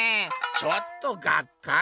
ちょっとがっかり」。